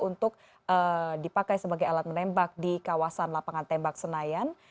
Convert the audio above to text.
untuk dipakai sebagai alat menembak di kawasan lapangan